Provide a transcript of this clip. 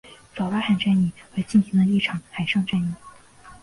爪哇海战役而进行的一场海上战役。